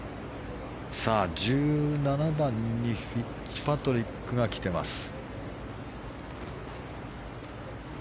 １７番にフィッツパトリックが来てます。